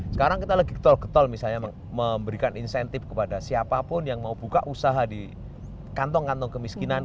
sekarang kita lagi getol getol misalnya memberikan insentif kepada siapapun yang mau buka usaha di kantong kantong kemiskinan